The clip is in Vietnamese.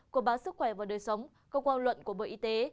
của báo sức khỏe và đời sống cơ quan luận của bộ y tế